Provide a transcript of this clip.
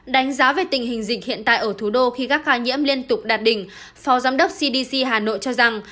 đánh giá về tình hình dịch hiện tại ở thủ đô khi các ca nhiễm liên tục đạt đỉnh phó giám đốc cdc hà nội cho rằng